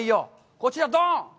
こちら、ドン！